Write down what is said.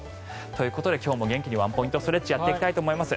ということで今日も元気にワンポイントストレッチやっていきたいと思います。